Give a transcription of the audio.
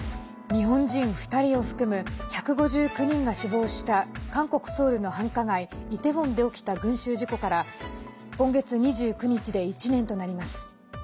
日本人２人を含む１５９人が死亡した韓国ソウルの繁華街イテウォンで起きた群集事故から今月２９日で１年となります。